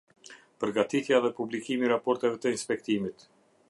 Përgatitja dhe publikimi i raporteve të inspektimit.